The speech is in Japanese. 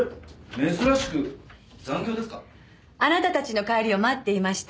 あなたたちの帰りを待っていました。